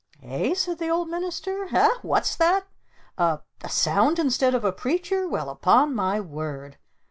"Eh?" said the Old Minister. "Eh? What's that? A A Sound instead of a Preacher? Well, upon my word!